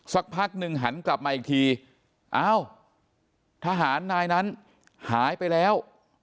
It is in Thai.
สักพักหนึ่งหันกลับมาอีกทีอ้าวทหารนายนั้นหายไปแล้ว